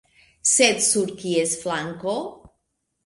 Sed sur kies flanko?